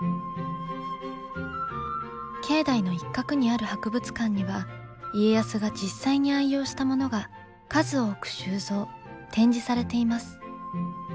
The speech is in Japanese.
境内の一角にある博物館には家康が実際に愛用したものが数多く収蔵・展示されています。